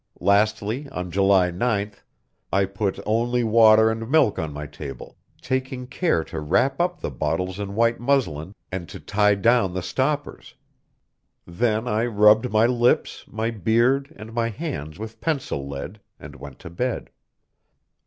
Lastly, on July 9th I put only water and milk on my table, taking care to wrap up the bottles in white muslin and to tie down the stoppers. Then I rubbed my lips, my beard and my hands with pencil lead, and went to bed.